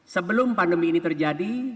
sebelum pandemi ini terjadi